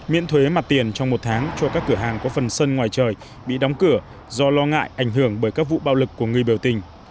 miễn thuế mặt tiền trong một tháng cho các cửa hàng có phần sân ngoài trời bị đóng cửa do lo ngại ảnh hưởng bởi các vụ bạo lực của người biểu tình